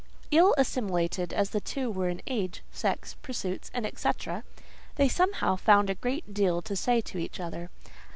Ill assimilated as the two were in age, sex, pursuits, &c., they somehow found a great deal to say to each other.